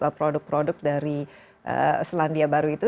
dan susu produk produk dari selandia baru itu